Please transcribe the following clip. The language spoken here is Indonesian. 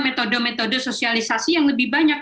metode metode sosialisasi yang lebih banyak